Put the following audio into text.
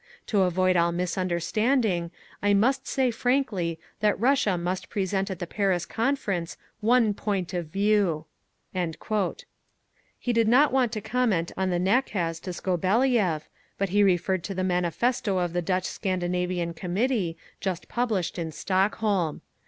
To avoid all misunderstanding, I must say frankly that Russia must present at the Paris Conference one point of view…." He did not want to comment on the nakaz to Skobeliev, but he referred to the Manifesto of the Dutch Scandinavian Committee, just published in Stockholm.